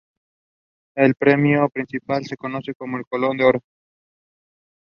El premio principal se conoce como Colón de Oro.